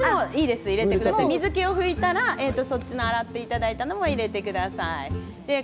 水けを拭いたら洗っていただいたものも入れてくださいね。